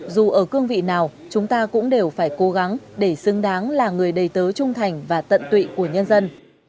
dù ở cương vị nào chúng ta cũng đều phải cố gắng để xứng đáng là người đầy tớ trung thành và tận tụy của nhân dân